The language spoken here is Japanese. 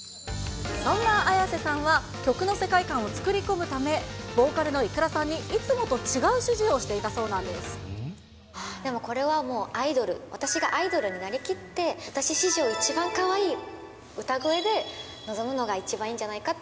そんなＡｙａｓｅさんは、曲の世界観を作り込むため、ボーカルのｉｋｕｒａさんにいつもと違う指示をしていたそうなんでもこれはもうアイドル、私がアイドルになりきって、私史上一番かわいい歌声で臨むのが一番いいんじゃないかって。